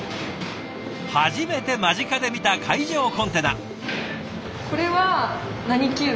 初めて間近で見た海上コンテナ。